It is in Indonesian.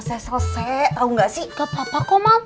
biasaan kamu mah heran